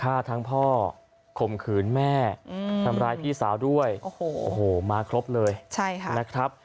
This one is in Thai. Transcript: ฆ่าทั้งพ่อข่มขืนแม่ทำร้ายพี่สาวด้วยโอ้โหมาครบเลยนะครับ